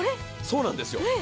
そうなんですよ。